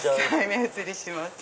目移りします。